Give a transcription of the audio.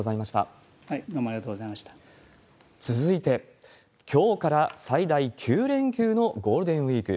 どうもありがとうございまし続いて、きょうから最大９連休のゴールデンウィーク。